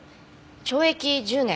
懲役１０年。